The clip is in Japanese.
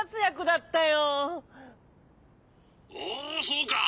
おおそうか。